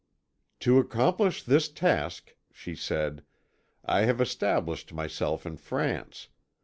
"To accomplish this task," she said, "I have established myself in France.